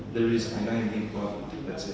di sini ada nama bahwa thatcher